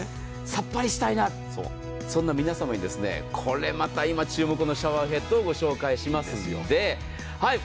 さっぱりしたいなという皆さんに、これまた今、注目のシャワーヘッドをご紹介します。